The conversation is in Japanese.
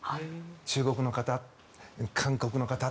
中国の方、韓国の方。